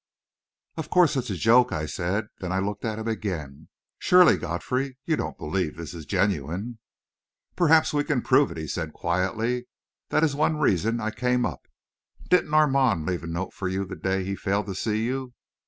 "Of course it's a joke," I said. Then I looked at him again. "Surely, Godfrey, you don't believe this is genuine!" "Perhaps we can prove it," he said, quietly. "That is one reason I came up. Didn't Armand leave a note for you the day he failed to see you?"